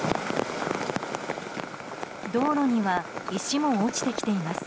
道路には石も落ちてきています。